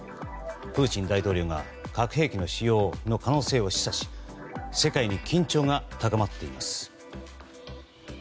プーチン大統領が核兵器使用の可能性を示唆し世界に緊張が高まっています。